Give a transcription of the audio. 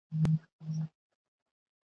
مرګه یو ګړی مو پرېږده چي هوسا سو .